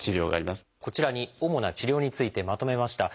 こちらに主な治療についてまとめました。